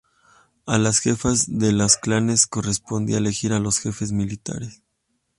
A las jefas de los clanes correspondía elegir a los jefes militares.